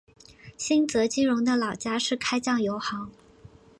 新泽基荣的老家是开酱油行。